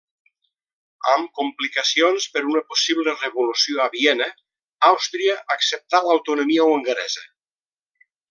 Amb complicacions per una possible revolució a Viena, Àustria acceptà l'autonomia hongaresa.